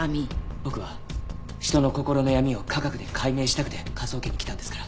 僕は人の心の闇を科学で解明したくて科捜研に来たんですから。